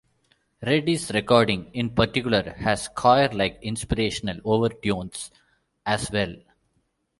Reddy's recording in particular has choir-like inspirational overtones as well.